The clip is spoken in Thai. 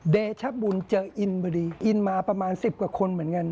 เดชบุญเจออินพอดีอินมาประมาณ๑๐กว่าคนเหมือนกัน